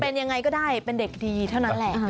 เป็นยังไงก็ได้เป็นเด็กดีเท่านั้นแหละ